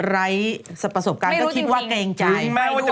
ไร้สำสัมบัติก็คิดว่าเกรงใจ